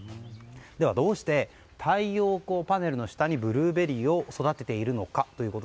では、どうして太陽光パネルの下にブルーベリーを育てているのか。